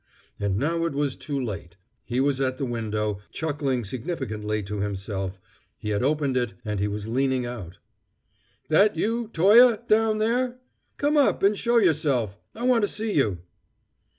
And now it was too late; he was at the window, chuckling significantly to himself; he had opened it, and he was leaning out. "That you, Toye, down there? Come up and show yourself! I want to see you."